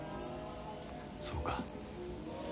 そうか。